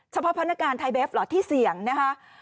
เฉพาะพนักงานไทยเบฟเหรอที่เสี่ยงนะฮะ